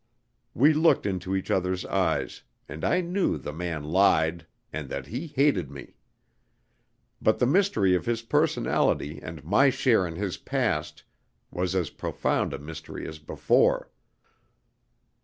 We looked into each other's eyes, and I knew the man lied, and that he hated me. But the mystery of his personality and my share in his past was as profound a mystery as before.